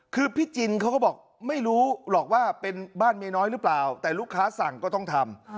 คือพี่จินเขาก็บอกไม่รู้หรอกว่าเป็นบ้านเมียน้อยหรือเปล่าแต่ลูกค้าสั่งก็ต้องทำ